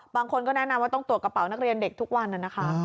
บางคนก็แนะนำว่าต้องตรวจกระเป๋านักเรียนเด็กทุกวันนะคะ